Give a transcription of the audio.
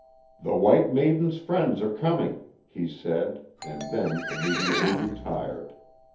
" The white maiden's friends are coming," he said, and then im mediately retired.